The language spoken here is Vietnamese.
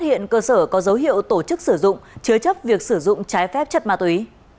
hiện cơ sở có dấu hiệu tổ chức sử dụng chứa chấp việc sử dụng trái phép chất ma túy